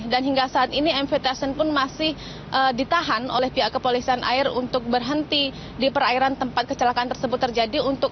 dan hingga saat ini mv tyson pun masih ditahan oleh pihak kepolisian air untuk berhenti di perairan tempat kecelakaan tersebut terjadi